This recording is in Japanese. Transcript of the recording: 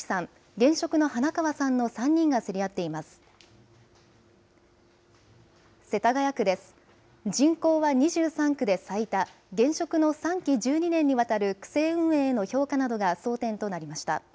現職の３期１２年にわたる区政運営などの評価が争点となりました。